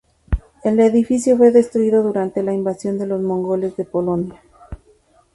El edificio fue destruido durante la invasión de los mongoles de Polonia.